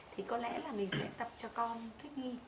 thì có lẽ là mình sẽ tập cho con thích nghi